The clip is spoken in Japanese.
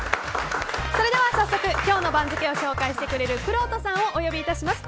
早速今日の番付を紹介してくれるくろうとさんをお呼びいたします。